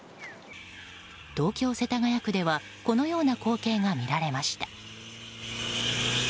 東京・世田谷区ではこのような光景が見られました。